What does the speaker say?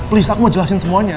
plis aku mau jelasin semuanya